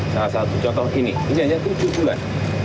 salah satu contoh ini ini hanya tujuh bulan